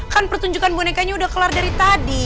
kan pertunjukan bonekanya udah kelar dari tadi